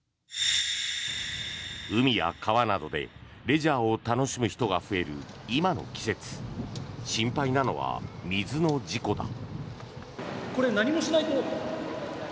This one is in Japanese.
海や川などでレジャーを楽しむ人が増える今の季節心配なのは水の事故だ。